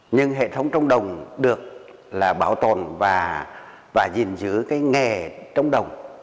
nhưng hệ thống trống đồng được bảo tồn và giữ nghề trống đồng